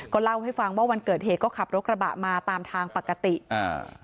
เล่าให้ฟังว่าวันเกิดเหตุก็ขับรถกระบะมาตามทางปกติอ่า